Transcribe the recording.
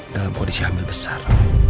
dalam kondisi hamil besar